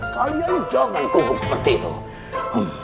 kalian jangan tuguk seperti itu